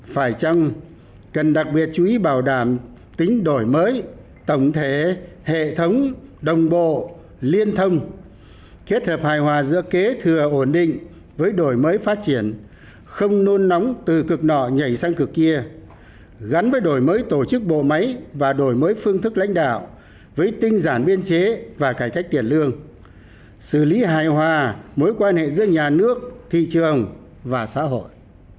phải chăng cần đặc biệt chú ý bảo đảm tính đổi mới tổng thể hệ thống đồng bộ liên thông kết hợp hài hòa giữa kế thừa ổn định với đổi mới phát triển không nôn nóng từ cực nọ nhảy sang cực kia gắn với đổi mới tổ chức bộ máy và đổi mới phương thức lãnh đạo với tinh giản biên chế và cải cách tiền lương xử lý hài hòa mối quan hệ giữa nhà nước thị trường và xã hội